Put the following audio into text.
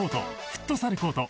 フットサルコート